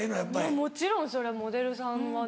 もちろんそりゃモデルさんはね。